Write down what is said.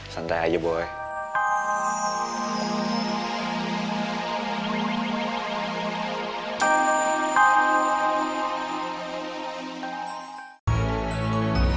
santai aja boy